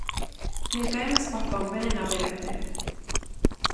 Ներկայումս պահպանվել են ավերակները։